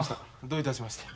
どういたしまして。